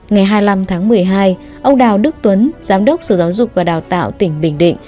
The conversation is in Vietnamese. ngày hai mươi năm tháng một mươi hai ông đào đức tuấn giám đốc sở giáo dục và đào tạo tỉnh bình định